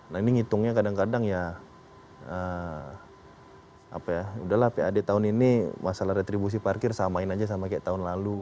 nah ini ngitungnya kadang kadang ya apa ya udahlah pad tahun ini masalah retribusi parkir samain aja sama kayak tahun lalu